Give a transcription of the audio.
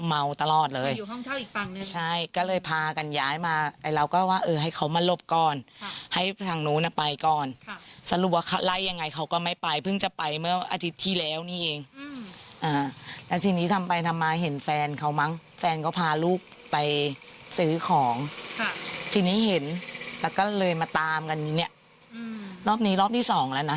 มันเกินคนอ่ะมันไม่เหมือนคนปกติอ่ะ